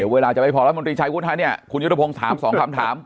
เวลาจะไปพอแล้วมนตรีชัยวูฒิไหมเนี่ยคุณยุทธทภงสาม๒คำถาม